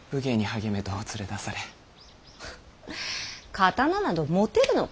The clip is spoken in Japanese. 刀など持てるのか。